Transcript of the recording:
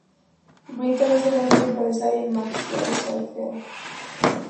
Brighton es el único hijo de Sara y Maxwell Sheffield.